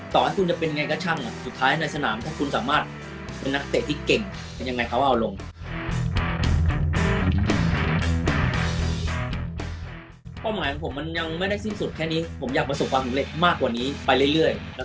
ต่อให้คุณจะเป็นยังไงก็ช่างสุดท้ายในสนามถ้าคุณจะสามารถเป็นนักเตะที่เก่ง